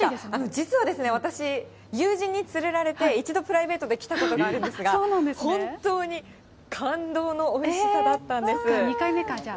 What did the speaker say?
実は私、友人に連れられて、一度プライベートで来たことがあるんですが、本当に感動のおいしさだったんです。